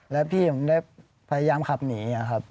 แล้วพี่ผมได้พยายามขับหนีครับ